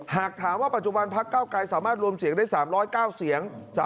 หากถามว่าปัจจุบันพักเก้าไกรสามารถรวมเสียงได้๓๐๙เสียง